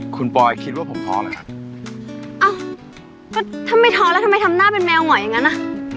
คุณปอยคิดว่าผมท้อหรือครับอ้าวก็ถ้าไม่ท้อแล้วทำไมทำหน้าเป็นแมวเหงอยอย่างนั้นอ่ะ